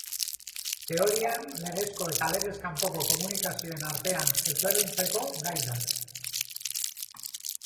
Teorian legezko eta legez kanpoko komunikazioen artean ezberdintzeko gai da.